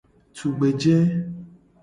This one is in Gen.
Tugbeje.